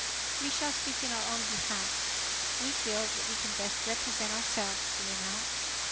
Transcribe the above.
"We shall speak in our own behalf. We feel that we can best represent ourselves," we announce.